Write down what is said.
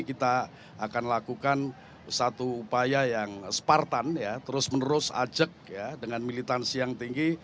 kita akan lakukan satu upaya yang spartan ya terus menerus ajak dengan militansi yang tinggi